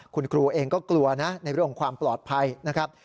คุณครูเองก็กลัวนะในเรื่องของความปลอดภัยนะครับ